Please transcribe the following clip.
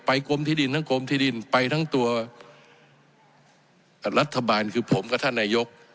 กรมที่ดินทั้งกรมที่ดินไปทั้งตัวรัฐบาลคือผมกับท่านนายก